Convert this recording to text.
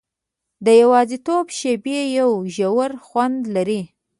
د یوازیتوب شېبې یو ژور خوند لري.